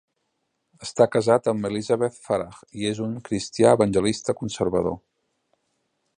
Està casat amb Elizabeth Farah i és un cristià evangelista conservador.